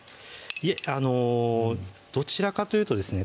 いえどちらかというとですね